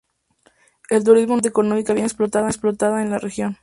El turismo no es una fuente económica bien explotada en la región.